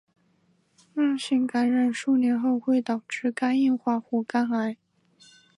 慢性感染数年后会导致肝硬化或肝癌。